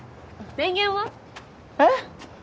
電源は？えっ？